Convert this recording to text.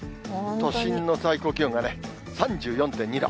都心の最高気温がね、３４．２度。